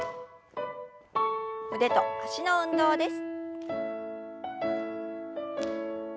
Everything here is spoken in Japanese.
腕と脚の運動です。